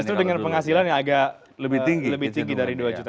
justru dengan penghasilan yang agak lebih tinggi dari dua juta